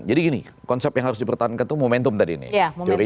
jadi gini konsep yang harus dipertahankan tuh momentum tadi nih